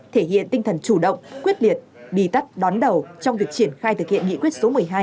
thể hiện tinh thần chủ động quyết liệt đi tắt đón đầu trong việc triển khai thực hiện nghị quyết số một mươi hai